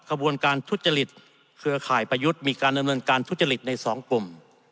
ขบวนการทุจริตเครือข่ายประยุทธ์มีการดำเนินการทุจริตในสองกลุ่ม